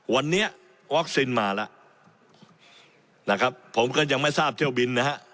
วันนี้วัคซีนมาแล้วนะครับผมก็ยังไม่ทราบเที่ยวบินนะฮะ